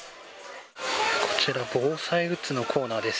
こちら防災グッズのコーナーです。